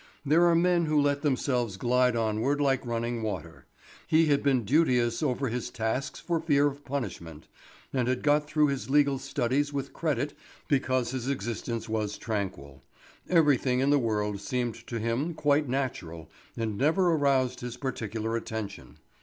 There are men who let themselves glide onward like running water. He had been duteous over his tasks for fear of punishment, and had got through his legal studies with credit because his existence was tranquil. Everything in the world seemed to him quite natural and never aroused his particular attention.